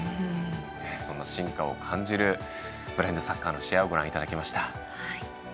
そんな進化を感じるブラインドサッカーの試合をご覧いただきました。